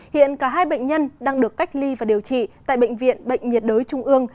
hiện cả hai bệnh nhân đang được cách ly và điều trị tại bệnh viện bệnh nhiệt đới trung ương